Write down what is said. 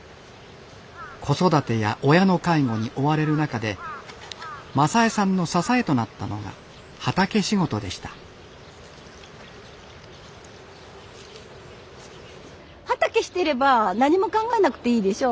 子育てや親の介護に追われる中で雅枝さんの支えとなったのが畑仕事でした畑してれば何も考えなくていいでしょ。